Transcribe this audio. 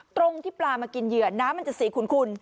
ตรงที่ปลามากินเหยื่อน้ำมันจะสีขุน